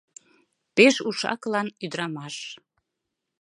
Пеш уш-акылан ӱдырамаш.